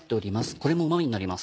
これもうま味になります。